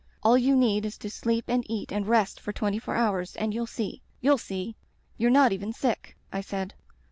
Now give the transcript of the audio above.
All you need is to sleep and eat and rest for twenty four hours, and you'll see — ^you'll see! You're not even sick,' I said.